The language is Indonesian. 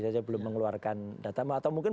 saja belum mengeluarkan data atau mungkin